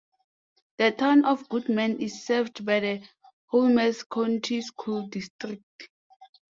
The town of Goodman is served by the Holmes County School District.